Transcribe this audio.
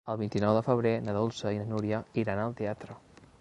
El vint-i-nou de febrer na Dolça i na Núria iran al teatre.